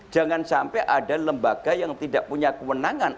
jangan sampai ada lembaga yang tidak punya kewenangan